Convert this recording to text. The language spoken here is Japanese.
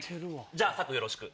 じゃあ「サク。」よろしく。